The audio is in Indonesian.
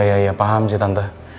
iya paham sih tante